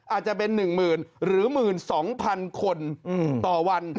อาจจะเป็น๑๐๐๐หรือ๑๒๐๐๐คนต่อวัน